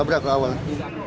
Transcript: bukan ditabrak awalnya